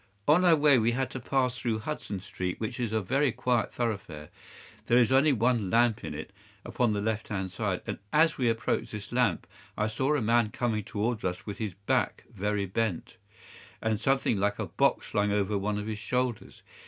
On our way we had to pass through Hudson Street, which is a very quiet thoroughfare. There is only one lamp in it, upon the left hand side, and as we approached this lamp I saw a man coming towards us with his back very bent, and something like a box slung over one of his shoulders.